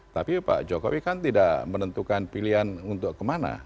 tapi pak jokowi kan tidak menentukan pilihan untuk kemana